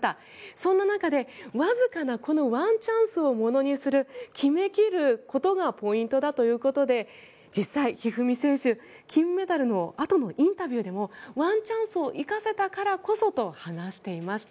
そんな中で、わずかなこのワンチャンスをものにする決めきることがポイントだということで実際、一二三選手金メダルのあとのインタビューでもワンチャンスを生かせたからこそと話していました。